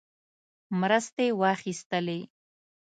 مرستې واخیستلې.